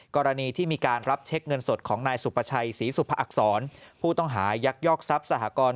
กรณีที่มีการรับเช็คเงินสดของนายสุประชัยศรีสุภอักษรผู้ต้องหายักยอกทรัพย์สหกร